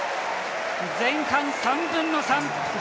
前半３分の３。